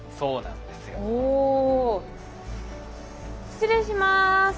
失礼します。